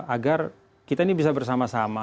agar kita ini bisa bersama sama